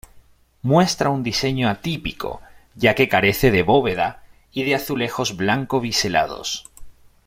Muestra un diseño atípico, ya que carece de bóveda y de azulejos blanco biselados.